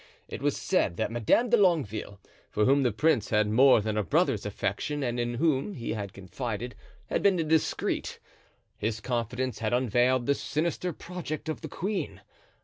It was said that Madame de Longueville, for whom the prince had more than a brother's affection and in whom he had confided, had been indiscreet. His confidence had unveiled the sinister project of the queen.